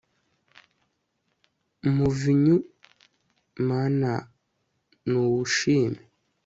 muvinyu mana n'uwushime